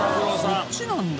こっちなんだ。